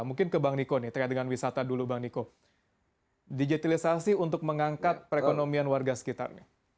mungkin ke bang niko nih terkait dengan wisata dulu bang niko digitalisasi untuk mengangkat perekonomian warga sekitar